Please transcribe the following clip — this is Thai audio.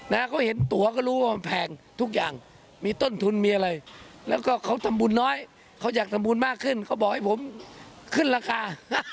นะเขาเห็นตัวก็รู้ว่ามันแพงทุกอย่างมีต้นทุนมีอะไรแล้วก็เขาทำบุญน้อยเขาอยากทำบุญมากขึ้นเขาบอกให้ผมขึ้นราคา